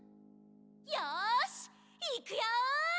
よしいくよ！